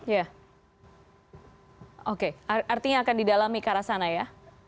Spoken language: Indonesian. ya oke artinya akan didalami ke arah sana ya